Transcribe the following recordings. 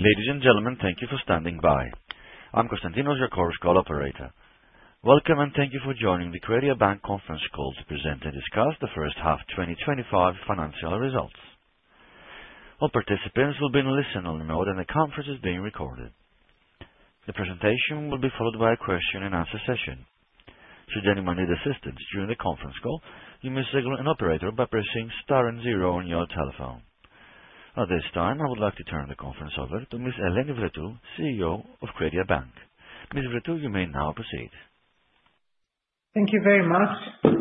Ladies and gentlemen, thank you for standing by. I'm Constantinos, your core call operator. Welcome, and thank you for joining the CrediaBank conference call to present and discuss the first half 2025 financial results. All participants will be in listen-only mode, and the conference is being recorded. The presentation will be followed by a question and answer session. Should anyone need assistance during the conference call, you may signal an operator by pressing star and 0 on your telephone. At this time, I would like to turn the conference over to Ms. Eleni Vrettou, Chief Executive Officer of CrediaBank. Ms. Vrettou, you may now proceed. Thank you very much.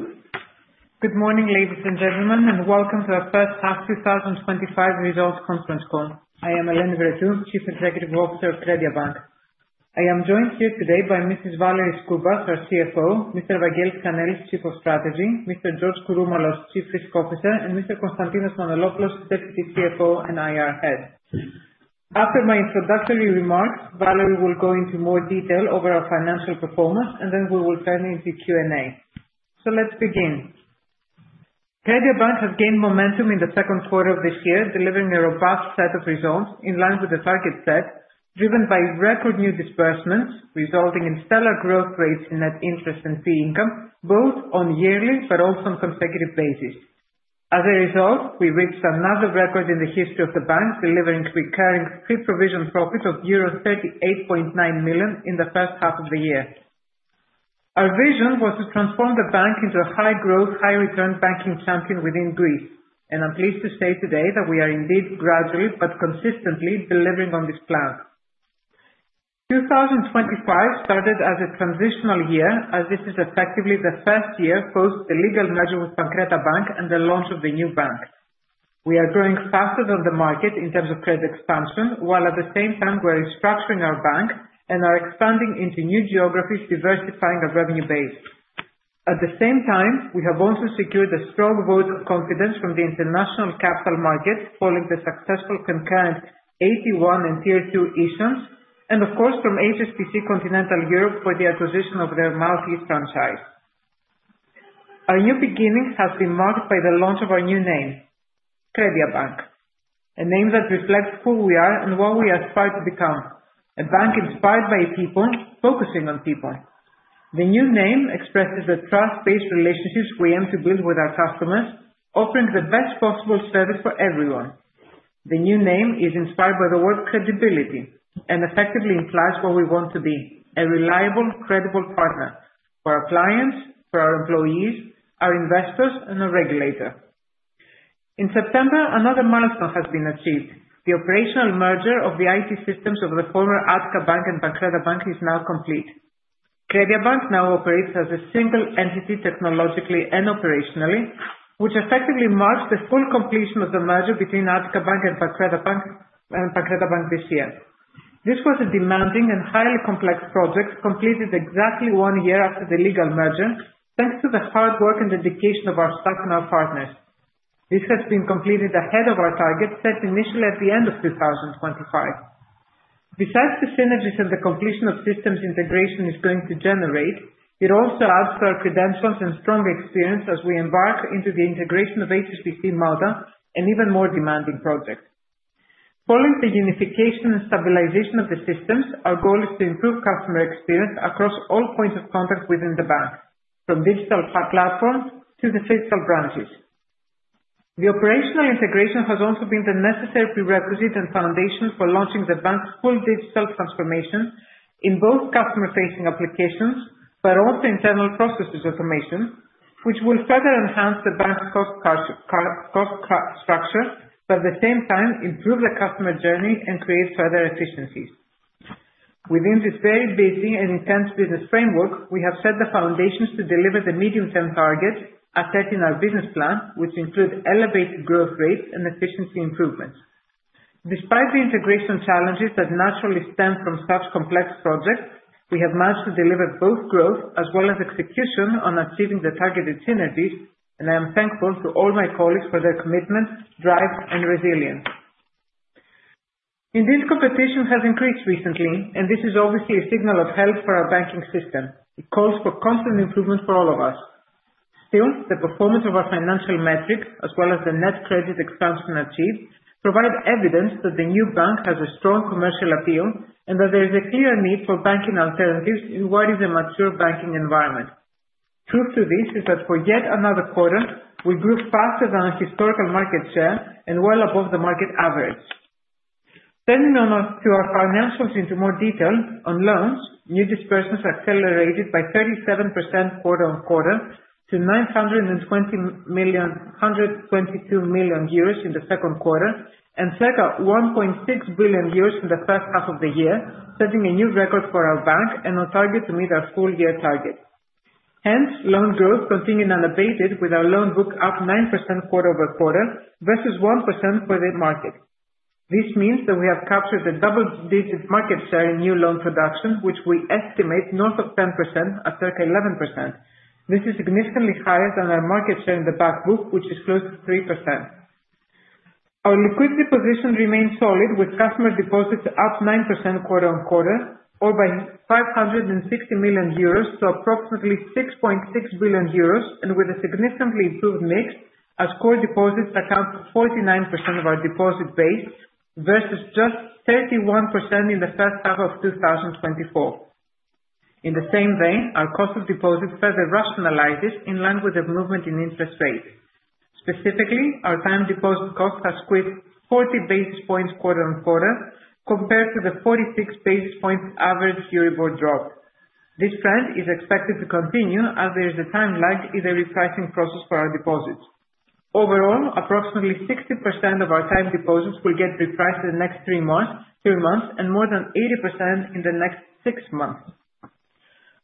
Good morning, ladies and gentlemen, and welcome to our first half 2025 results conference call. I am Eleni Vrettou, Chief Executive Officer of CrediaBank. I am joined here today by Mrs. Vasiliki Skoubas, our Chief Financial Officer, Mr. Evangelos Kanelis, Chief of Strategy, Mr. George Kouroumalos, Chief Risk Officer, and Mr. Konstantinos Manolopoulos, Deputy CFO and Investor Relations Head. After my introductory remarks, Vasiliki will go into more detail over our financial performance, and then we will turn into Q&A. Let's begin. CrediaBank has gained momentum in the second quarter of this year, delivering a robust set of results in line with the target set, driven by record new disbursements, resulting in stellar growth rates in net interest and fee income, both on yearly but also on consecutive basis. As a result, we reached another record in the history of the bank, delivering recurring pre-provision profit of euro 38.9 million in the first half of the year. Our vision was to transform the bank into a high-growth, high-return banking champion within Greece. I'm pleased to say today that we are indeed gradually but consistently delivering on this plan. 2025 started as a transitional year, as this is effectively the first year post the legal merger with Pancreta Bank and the launch of the new bank. We are growing faster than the market in terms of credit expansion, while at the same time we are restructuring our bank and are expanding into new geographies, diversifying our revenue base. At the same time, we have also secured a strong vote of confidence from the international capital market, following the successful concurrent AT1 and Tier 2 issues, and of course, from Hongkong and Shanghai Banking Corporation Continental Europe for the acquisition of their French retail banking business. Our new beginning has been marked by the launch of our new name, CrediaBank, a name that reflects who we are and what we aspire to become. A bank inspired by people, focusing on people. The new name expresses the trust-based relationships we aim to build with our customers, offering the best possible service for everyone. The new name is inspired by the word credibility and effectively implies what we want to be, a reliable, credible partner for our clients, for our employees, our investors, and the regulator. In September, another milestone has been achieved. The operational merger of the Information Technology systems of the former Attica Bank and Pancreta Bank is now complete. CrediaBank now operates as a single entity, technologically and operationally, which effectively marks the full completion of the merger between Attica Bank and Pancreta Bank this year. This was a demanding and highly complex project, completed exactly one year after the legal merger, thanks to the hard work and dedication of our staff and our partners. This has been completed ahead of our target, set initially at the end of 2025. Besides the synergies and the completion of systems integration is going to generate, it also adds to our credentials and strong experience as we embark into the integration of HSBC Bank Malta, an even more demanding project. Following the unification and stabilization of the systems, our goal is to improve customer experience across all points of contact within the bank, from digital platforms to the physical branches. The operational integration has also been the necessary prerequisite and foundation for launching the bank's full digital transformation in both customer-facing applications, but also internal processes automation, which will further enhance the bank's cost structure, but at the same time, improve the customer journey and create further efficiencies. Within this very busy and intense business framework, we have set the foundations to deliver the medium-term targets as set in our business plan, which include elevated growth rates and efficiency improvements. Despite the integration challenges that naturally stem from such complex projects, we have managed to deliver both growth as well as execution on achieving the targeted synergies. I am thankful to all my colleagues for their commitment, drive, and resilience. Indeed, competition has increased recently. This is obviously a signal of help for our banking system. It calls for constant improvement for all of us. The performance of our financial metrics, as well as the net credit expansion achieved, provide evidence that the new bank has a strong commercial appeal and that there is a clear need for banking alternatives in what is a mature banking environment. Truth to this is that for yet another quarter, we grew faster than our historical market share and well above the market average. Turning now to our financials into more detail. On loans, new disbursements accelerated by 37% quarter-on-quarter to 922 million in the second quarter and circa 1.6 billion euros in the first half of the year, setting a new record for our bank and on target to meet our full year target. Loan growth continued unabated with our loan book up 9% quarter-over-quarter versus 1% for the market. This means that we have captured a double-digit market share in new loan production, which we estimate north of 10% at circa 11%. This is significantly higher than our market share in the back book, which is close to 3%. Our liquidity position remains solid, with customer deposits up 9% quarter-on-quarter, or by 560 million euros to approximately 6.6 billion euros, with a significantly improved mix. As core deposits account for 49% of our deposit base, versus just 31% in the first half of 2024. In the same vein, our cost of deposits further rationalizes in line with the movement in interest rates. Specifically, our time deposit cost has squeezed 40 basis points quarter-on-quarter, compared to the 46 basis points average Euribor drop. This trend is expected to continue as there is a time lag in the repricing process for our deposits. Overall, approximately 60% of our time deposits will get repriced in the next three months, and more than 80% in the next six months.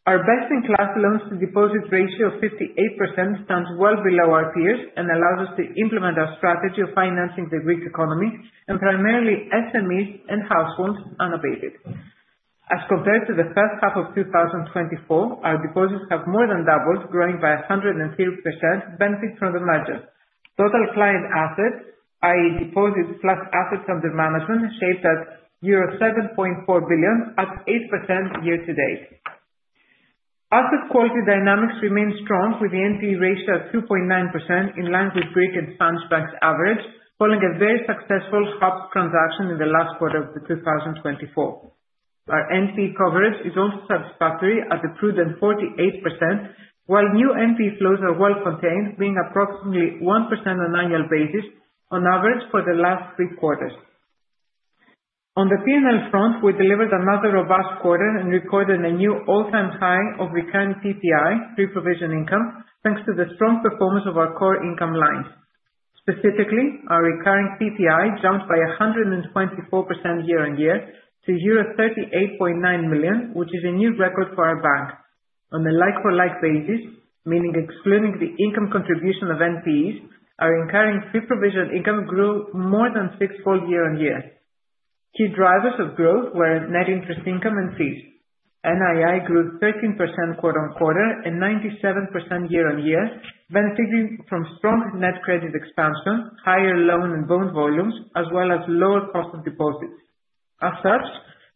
Our best-in-class loans to deposits ratio of 58% stands well below our peers and allows us to implement our strategy of financing the Greek economy, and primarily Small and Medium-sized Enterprises and households, unabated. As compared to the first half of 2024, our deposits have more than doubled, growing by 103%, benefit from the merger. Total client assets, i.e. deposits plus assets under management, shaped at 7.4 billion at 8% year-to-date. Asset quality dynamics remain strong, with the Non-Performing Exposure ratio at 2.9% in line with Greek and South European average, following a very successful Hercules Asset Protection Scheme transaction in the last quarter of 2024. Our NPE coverage is also satisfactory at a prudent 48%, while new NPE flows are well contained, being approximately 1% on annual basis on average for the last three quarters. On the P&L front, we delivered another robust quarter and recorded a new all-time high of recurring Pre-Provision Income, pre-provision income, thanks to the strong performance of our core income lines. Specifically, our recurring PPI jumped by 124% year-on-year to euro 38.9 million, which is a new record for our bank. On a like for like basis, meaning excluding the income contribution of NPEs, our recurring fee provision income grew more than six-fold year-on-year. Key drivers of growth were net interest income and fees. Net Interest Income grew 13% quarter-on-quarter and 97% year-on-year, benefiting from strong net credit expansion, higher loan and bond volumes, as well as lower cost of deposits. As such,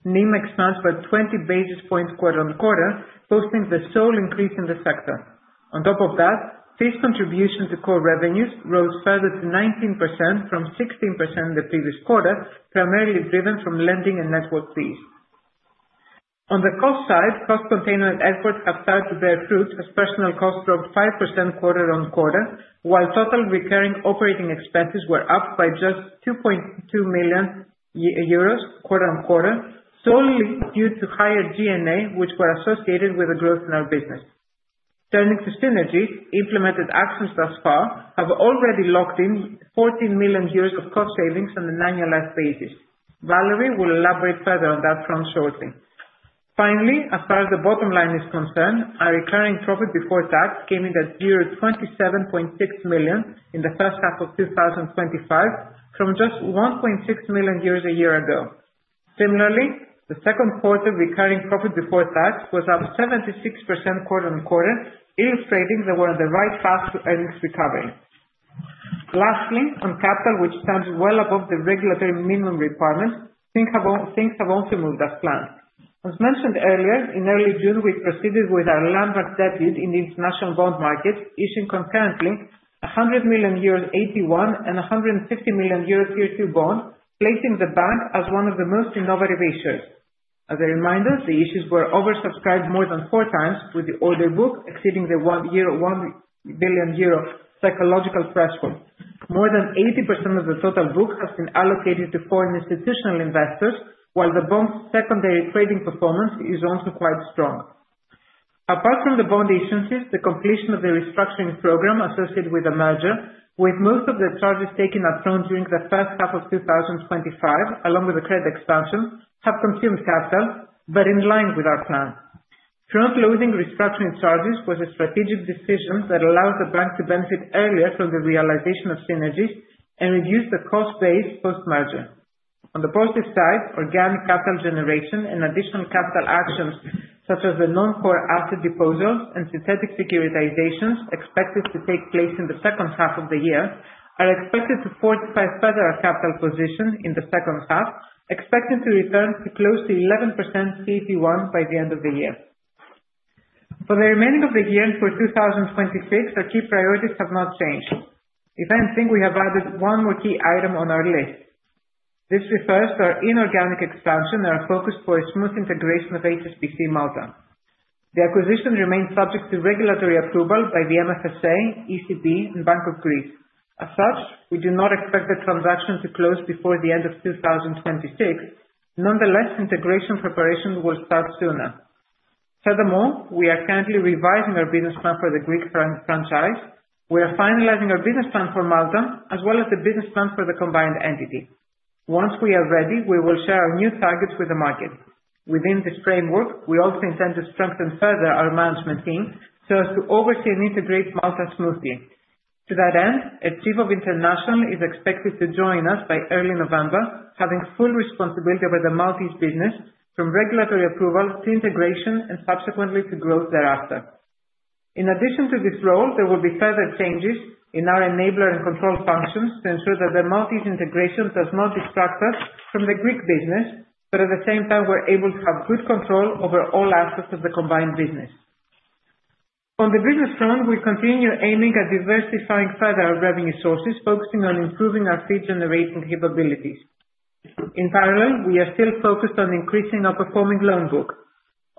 Net Interest Margin expands by 20 basis points quarter-on-quarter, posting the sole increase in the sector. On top of that, fees contribution to core revenues rose further to 19% from 16% in the previous quarter, primarily driven from lending and network fees. On the cost side, cost containment efforts have started to bear fruit as personnel costs grew 5% quarter-on-quarter, while total recurring operating expenses were up by just 2.2 million euros quarter-on-quarter, solely due to higher D&A, which were associated with the growth in our business. Turning to synergies, implemented actions thus far have already locked in 14 million euros of cost savings on an annualized basis. Vasiliki will elaborate further on that front shortly. Finally, as far as the bottom line is concerned, our recurring profit before tax came in at 27.6 million in the first half of 2025 from just 1.6 million a year ago. Similarly, the second quarter recurring profit before tax was up 76% quarter-on-quarter, illustrating that we're on the right path to earnings recovery. Lastly, on capital, which stands well above the regulatory minimum requirements, things have also moved as planned. As mentioned earlier, in early June, we proceeded with our landmark debut in the international bond market, issuing concurrently 100 million euro AT1 and 150 million euro Tier 2 bonds, placing the bank as one of the most innovative issuers. As a reminder, the issues were oversubscribed more than 4x, with the order book exceeding the 1 billion euro psychological threshold. More than 80% of the total book has been allocated to foreign institutional investors, while the bond's secondary trading performance is also quite strong. Apart from the bond issuances, the completion of the restructuring program associated with the merger, with most of the charges taken up front during the first half of 2025, along with the credit expansion, have consumed capital, but in line with our plan. Front-loading restructuring charges was a strategic decision that allowed the bank to benefit earlier from the realization of synergies and reduce the cost base post-merger. On the positive side, organic capital generation and additional capital actions such as the non-core asset deposits and synthetic securitizations expected to take place in the second half of the year, are expected to fortify further our capital position in the second half, expected to return to close to 11% CET1 by the end of the year. For the remaining of the year and for 2026, our key priorities have not changed. If anything, we have added one more key item on our list. This refers to our inorganic expansion and our focus for a smooth integration of HSBC Malta. The acquisition remains subject to regulatory approval by the MFSA, ECB and Bank of Greece. As such, we do not expect the transaction to close before the end of 2026. Nonetheless, integration preparation will start sooner. Furthermore, we are currently revising our business plan for the Greek franchise. We are finalizing our business plan for Malta, as well as the business plan for the combined entity. Once we are ready, we will share our new targets with the market. Within this framework, we also intend to strengthen further our management team so as to oversee and integrate Malta smoothly. To that end, a chief of international is expected to join us by early November, having full responsibility over the Maltese business, from regulatory approval to integration and subsequently to growth thereafter. In addition to this role, there will be further changes in our enabler and control functions to ensure that the Maltese integration does not distract us from the Greek business, but at the same time, we're able to have good control over all aspects of the combined business. On the business front, we continue aiming at diversifying further our revenue sources, focusing on improving our fee-generating capabilities. In parallel, we are still focused on increasing our performing loan book.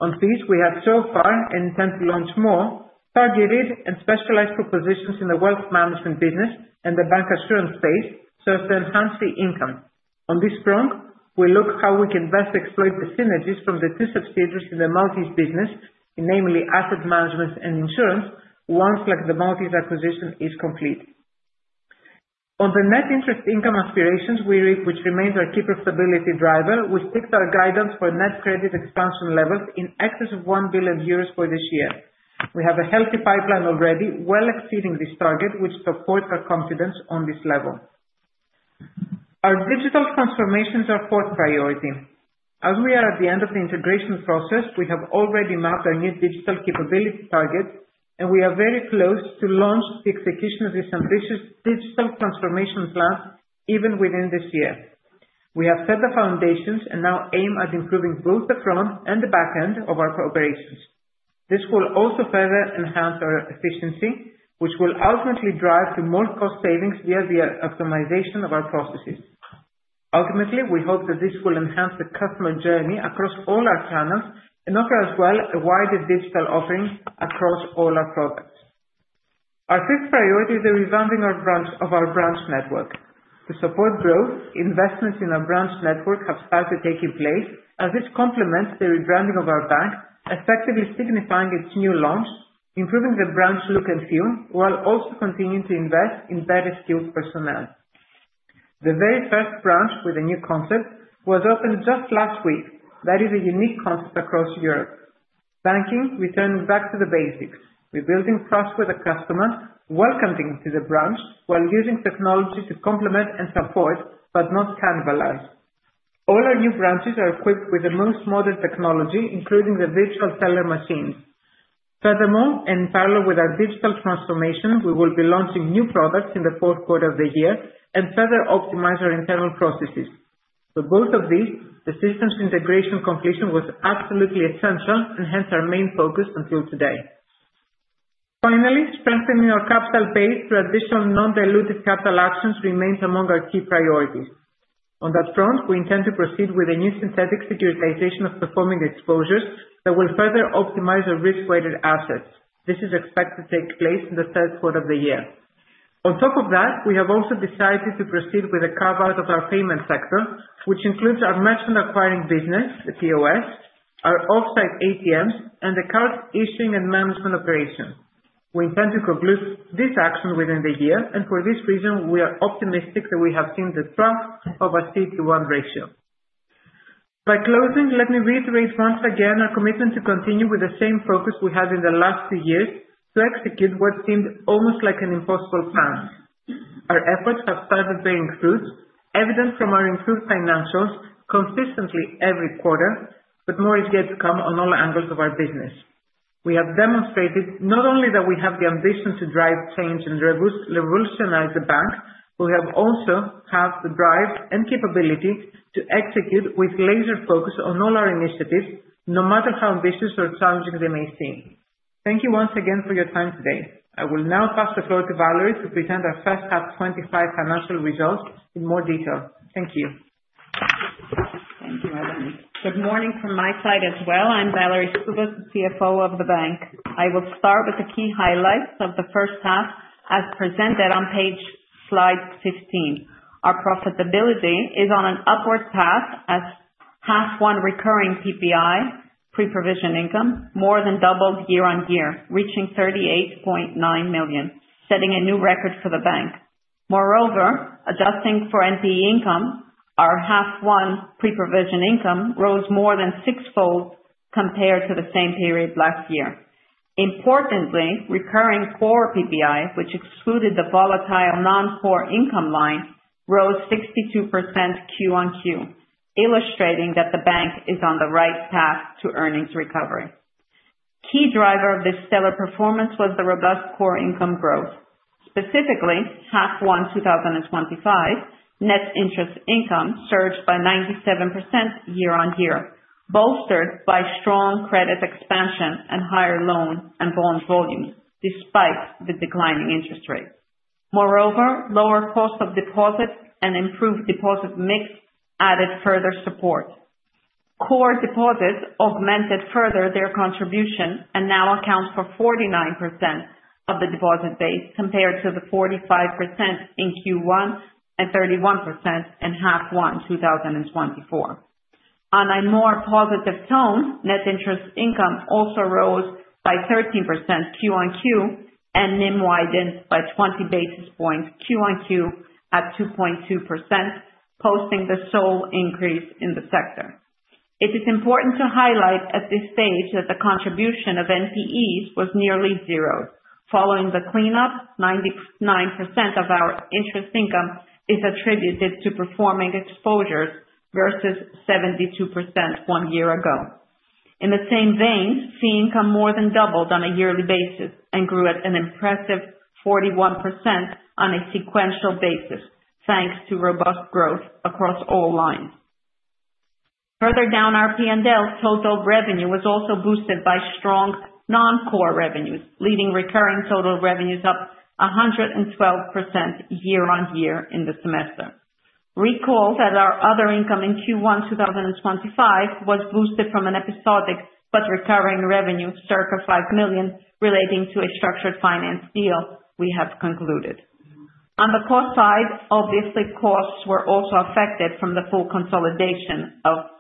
On fees, we have so far and intend to launch more targeted and specialized propositions in the wealth management business and the bancassurance space so as to enhance the income. On this front, we look how we can best exploit the synergies from the two subsidiaries in the Maltese business, namely asset management and insurance, once the Maltese acquisition is complete. On the net interest income aspirations, which remains our key profitability driver, we stick to our guidance for net credit expansion levels in excess of 1 billion euros for this year. We have a healthy pipeline already, well exceeding this target, which supports our confidence on this level. Our digital transformation is our core priority. As we are at the end of the integration process, we have already mapped our new digital capability targets, and we are very close to launch the execution of this ambitious digital transformation plan even within this year. We have set the foundations and now aim at improving both the front and the back end of our operations. This will also further enhance our efficiency, which will ultimately drive to more cost savings via the optimization of our processes. Ultimately, we hope that this will enhance the customer journey across all our channels and offer as well a wider digital offering across all our products. Our fifth priority is the rebranding of our branch network. To support growth, investments in our branch network have started taking place as this complements the rebranding of our bank, effectively signifying its new launch, improving the branch look and feel, while also continuing to invest in better skilled personnel. The very first branch with a new concept was opened just last week. That is a unique concept across Europe, banking returning back to the basics. We're building trust with the customer, welcoming to the branch while using technology to complement and support, but not cannibalize. All our new branches are equipped with the most modern technology, including the virtual teller machines. Furthermore, parallel with our digital transformation, we will be launching new products in the fourth quarter of the year and further optimize our internal processes. For both of these, the systems integration completion was absolutely essential and hence our main focus until today. Finally, strengthening our capital base through additional non-dilutive capital actions remains among our key priorities. On that front, we intend to proceed with a new synthetic securitization of performing exposures that will further optimize our risk-weighted assets. This is expected to take place in the third quarter of the year. On top of that, we have also decided to proceed with the carve-out of our payment sector, which includes our merchant acquiring business, the Point of Sale, our offsite Automated Teller Machines, and the card issuing and management operation. We intend to conclude this action within the year. For this reason, we are optimistic that we have seen the front of our CET1 ratio. By closing, let me reiterate once again our commitment to continue with the same focus we have in the last two years to execute what seemed almost like an impossible plan. Our efforts have started bearing fruit, evident from our improved financials consistently every quarter. More is yet to come on all angles of our business. We have demonstrated not only that we have the ambition to drive change and revolutionize the bank. We also have the drive and capability to execute with laser focus on all our initiatives, no matter how ambitious or challenging they may seem. Thank you once again for your time today. I will now pass the floor to Vasiliki Skoubas to present our first half 2025 financial results in more detail. Thank you. Thank you, Eleni Vrettou. Good morning from my side as well. I'm Vasiliki Skoubas, the CFO of the bank. I will start with the key highlights of the first half as presented on page slide 15. Our profitability is on an upward path as half one recurring PPI, preprovision income, more than doubled year-on-year, reaching 38.9 million, setting a new record for the bank. Moreover, adjusting for NPE income, our half one preprovision income rose more than six-fold compared to the same period last year. Importantly, recurring core PPI, which excluded the volatile non-core income line, rose 62% quarter-on-quarter, illustrating that the bank is on the right path to earnings recovery. Key driver of this stellar performance was the robust core income growth. Specifically, half one 2025, net interest income surged by 97% year-on-year, bolstered by strong credit expansion and higher loan and bond volumes, despite the declining interest rates. Moreover, lower cost of deposits and improved deposit mix added further support. Core deposits augmented further their contribution and now account for 49% of the deposit base, compared to the 45% in Q1 and 31% in half one 2024. On a more positive tone, net interest income also rose by 13% quarter-on-quarter and NIM widened by 20 basis points quarter-on-quarter at 2.2%, posting the sole increase in the sector. It is important to highlight at this stage that the contribution of NPEs was nearly zero. Following the cleanup, 99% of our interest income is attributed to performing exposures versus 72% one year ago. In the same vein, fee income more than doubled on a yearly basis and grew at an impressive 41% on a sequential basis, thanks to robust growth across all lines. Further down our P&L, total revenue was also boosted by strong non-core revenues, leading recurring total revenues up 112% year on year in the semester. Recall that our other income in Q1 2025 was boosted from an episodic but recurring revenue, circa 5 million, relating to a structured finance deal we have concluded. On the cost side, obviously, costs were also affected from the full consolidation of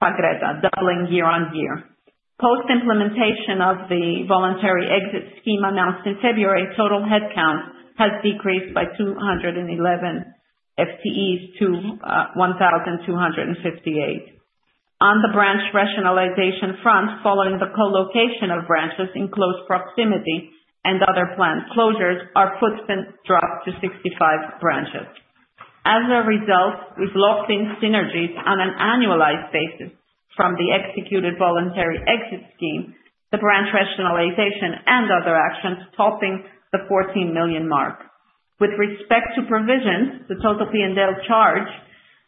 Pancreta, doubling year on year. Post-implementation of the voluntary exit scheme announced in February, total head count has decreased by 211 FTEs to 1,258. On the branch rationalization front, following the co-location of branches in close proximity and other plant closures, our footprint dropped to 65 branches. As a result, we've locked in synergies on an annualized basis from the executed voluntary exit scheme, the branch rationalization, and other actions topping the 14 million mark. With respect to provisions, the total P&L charge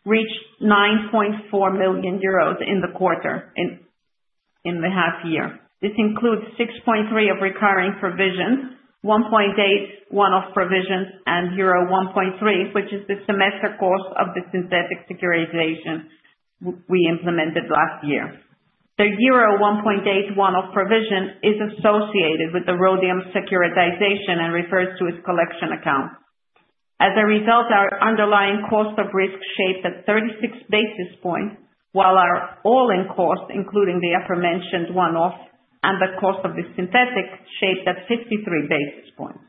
reached 9.4 million euros in the half year. This includes 6.3 of recurring provisions, 1.8 one-off provisions, and euro 1.3, which is the semester cost of the synthetic securitization we implemented last year. The euro 1.8 one-off provision is associated with the Rhodium securitization and refers to its collection account. As a result, our underlying cost of risk shaped at 36 basis points, while our all-in cost, including the aforementioned one-off and the cost of the synthetic, shaped at 53 basis points.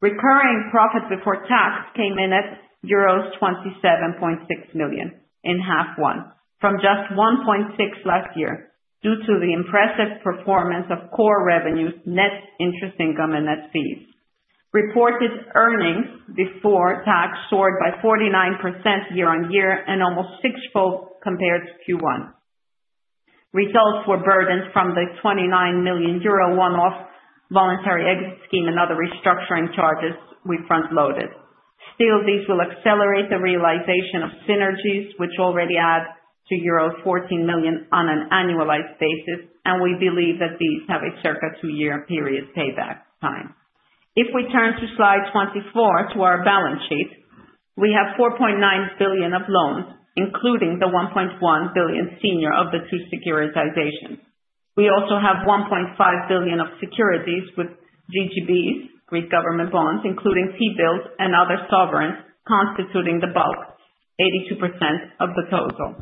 Recurring profit before tax came in at euros 27.6 million in half one from just 1.6 last year, due to the impressive performance of core revenues, net interest income, and net fees. Reported earnings before tax soared by 49% year on year and almost sixfold compared to Q1. Results were burdened from the 29 million euro one-off voluntary exit scheme and other restructuring charges we front-loaded. These will accelerate the realization of synergies which already add to euro 14 million on an annualized basis, and we believe that these have a circa two-year period payback time. If we turn to slide 24 to our balance sheet, we have 4.9 billion of loans, including the 1.1 billion senior of the two securitizations. We also have 1.5 billion of securities with GGB, Greek Government Bonds, including T-bills and other sovereigns, constituting the bulk, 82% of the total.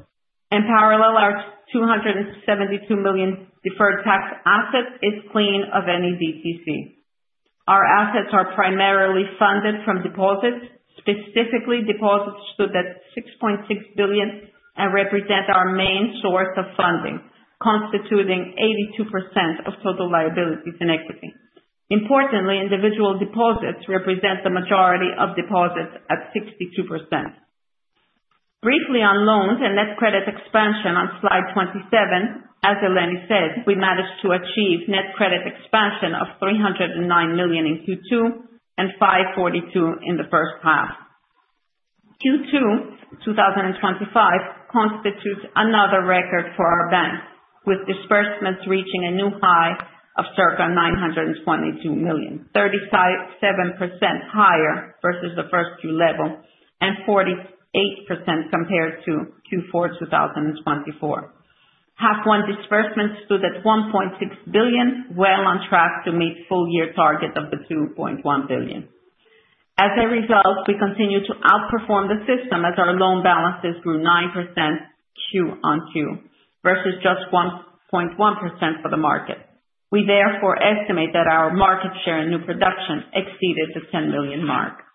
In parallel, our 272 million deferred tax asset is clean of any DTC. Our assets are primarily funded from deposits. Specifically, deposits stood at 6.6 billion and represent our main source of funding, constituting 82% of total liabilities and equity. Importantly, individual deposits represent the majority of deposits at 62%. Briefly on loans and net credit expansion on slide 27, as Eleni said, we managed to achieve net credit expansion of 309 million in Q2 and 542 million in the first half. Q2 2025 constitutes another record for our bank, with disbursements reaching a new high of circa 922 million, 37% higher versus the first two level and 48% compared to Q4 2024. Half one disbursements stood at 1.6 billion, well on track to meet full year target of the 2.1 billion. As a result, we continue to outperform the system as our loan balances grew 9% quarter-on-quarter versus just 1.1% for the market. We therefore estimate that our market share in new production exceeded the 10 million mark.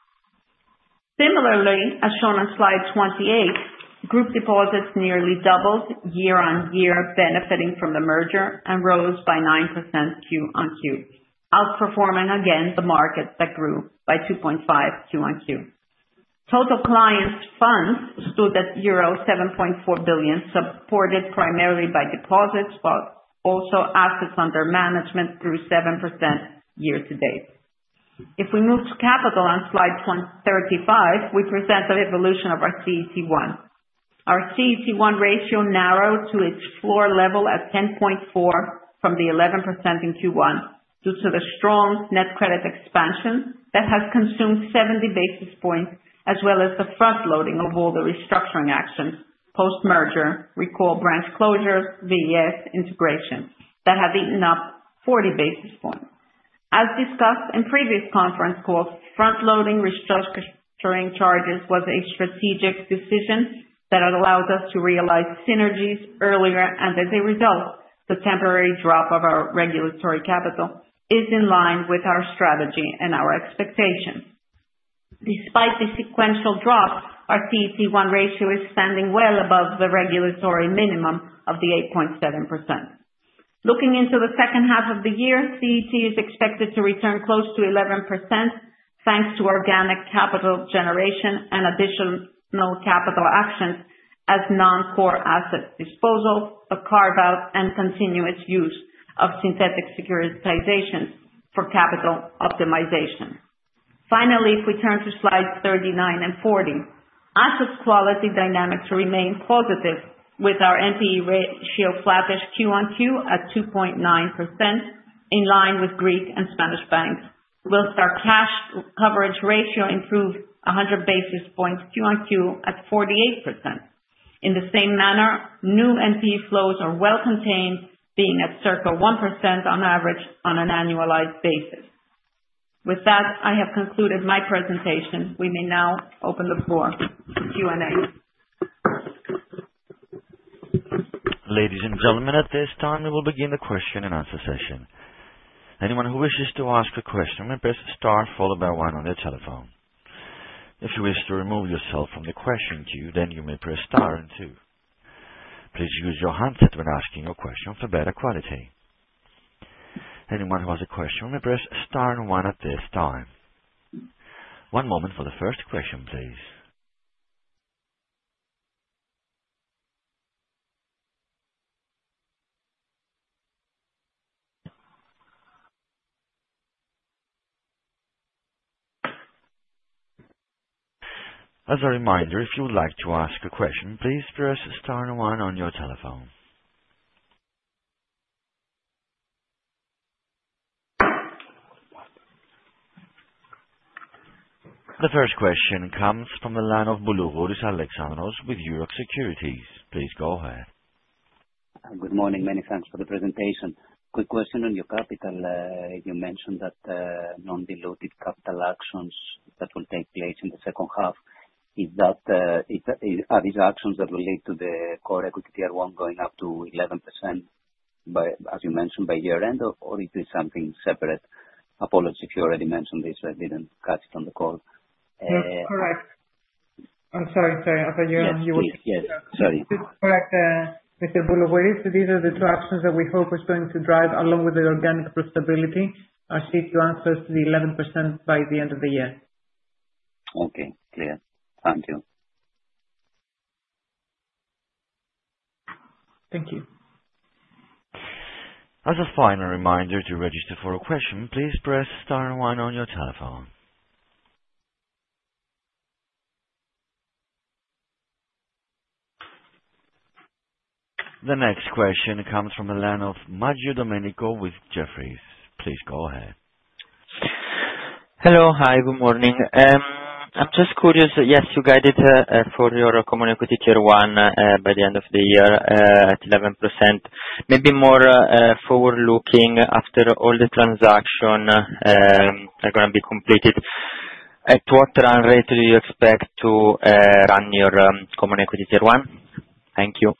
Similarly, as shown on slide 28, group deposits nearly doubled year-on-year, benefiting from the merger, and rose by 9% quarter-on-quarter, outperforming again the market that grew by 2.5 quarter-on-quarter. Total client funds stood at euro 7.4 billion, supported primarily by deposits, but also assets under management through 7% year-to-date. If we move to capital on slide 235, we present the evolution of our CET1. Our CET1 ratio narrowed to its floor level at 10.4 from the 11% in Q1 due to the strong net credit expansion that has consumed 70 basis points as well as the front-loading of all the restructuring actions post-merger. Recall branch closures, VES integration that have eaten up 40 basis points. As discussed in previous conference calls, front-loading restructuring charges was a strategic decision that allows us to realize synergies earlier, and as a result, the temporary drop of our regulatory capital is in line with our strategy and our expectations. Despite the sequential drop, our CET1 ratio is standing well above the regulatory minimum of the 8.7%. Looking into the second half of the year, CET is expected to return close to 11% thanks to organic capital generation and additional capital actions as non-core asset disposal, a carve-out, and continuous use of synthetic securitization for capital optimization. Finally, if we turn to slides 39 and 40. Assets quality dynamics remain positive with our NPE ratio flattish quarter-on-quarter at 2.9%, in line with Greek and Spanish banks, whilst our cash coverage ratio improved 100 basis points quarter-on-quarter at 48%. In the same manner, new NPE flows are well contained, being at circa 1% on average on an annualized basis. With that, I have concluded my presentation. We may now open the floor for Q&A. Ladies and gentlemen, at this time we will begin the question and answer session. Anyone who wishes to ask a question may press star followed by one on their telephone. If you wish to remove yourself from the question queue, you may press star and two. Please use your handset when asking a question for better quality. Anyone who has a question may press star and one at this time. One moment for the first question, please. As a reminder, if you would like to ask a question, please press star and one on your telephone. The first question comes from the line of Alexandros Boulougouris with Euroxx Securities. Please go ahead. Good morning. Many thanks for the presentation. Quick question on your capital. You mentioned that non-diluted capital actions that will take place in the second half, are these actions that relate to the CET1 going up to 11% as you mentioned by year end or it is something separate? Apologies if you already mentioned this, I didn't catch it on the call. That's correct. I'm sorry, sir. Yes, please. Sorry. Correct, Mr. Boulougouris. These are the two actions that we hope are going to drive along with the organic profitability, our CET1 ratio to be 11% by the end of the year. Okay, clear. Thank you. Thank you. As a final reminder, to register for a question, please press star one on your telephone. The next question comes from the line of Domenico Maggio with Jefferies. Please go ahead. Hello. Hi, good morning. I'm just curious. Yes, you guided for your common equity Tier 1 by the end of the year at 11%. Maybe more forward-looking after all the transaction are going to be completed. At what run rate do you expect to run your common equity Tier 1? Thank you.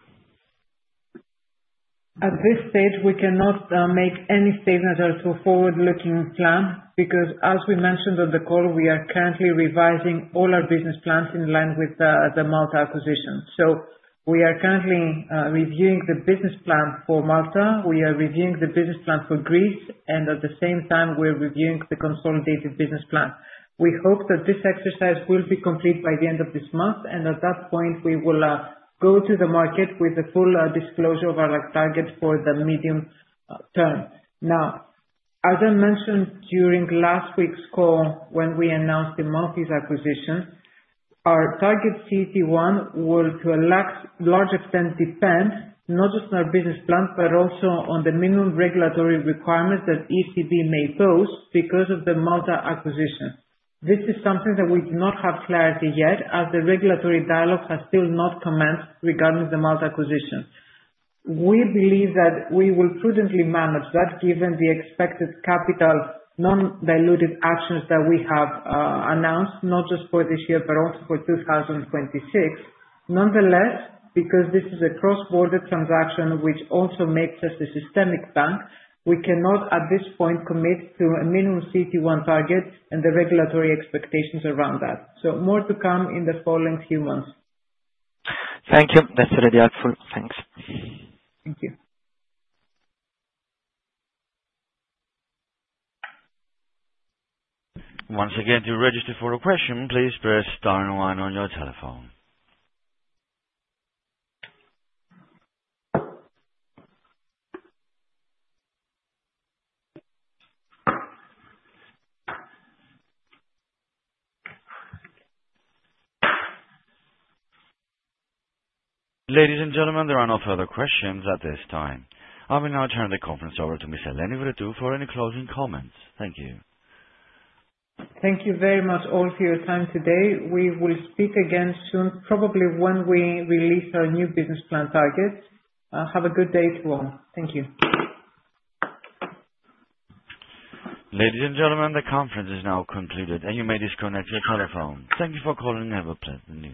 At this stage, we cannot make any statements as to a forward-looking plan because as we mentioned on the call, we are currently revising all our business plans in line with the Malta acquisition. We are currently reviewing the business plan for Malta. We are reviewing the business plan for Greece, and at the same time, we're reviewing the consolidated business plan. We hope that this exercise will be complete by the end of this month, and at that point, we will go to the market with the full disclosure of our target for the medium term. As I mentioned during last week's call when we announced the Malta acquisition, our target CET1 will to a large extent depend not just on our business plan, but also on the minimum regulatory requirements that European Central Bank may pose because of the Malta acquisition. This is something that we do not have clarity yet as the regulatory dialogue has still not commenced regarding the Malta acquisition. We believe that we will prudently manage that given the expected capital non-dilutive actions that we have announced, not just for this year, but also for 2026. Because this is a cross-border transaction which also makes us a systemic bank, we cannot at this point commit to a minimum CET1 target and the regulatory expectations around that. More to come in the following few months. Thank you. That's really helpful. Thanks. Thank you. Once again, to register for a question, please press star and one on your telephone. Ladies and gentlemen, there are no further questions at this time. I will now turn the conference over to Ms. Eleni Vrettou for any closing comments. Thank you. Thank you very much all for your time today. We will speak again soon, probably when we release our new business plan targets. Have a good day, everyone. Thank you. Ladies and gentlemen, the conference is now concluded and you may disconnect your telephone. Thank you for calling. Have a pleasant evening.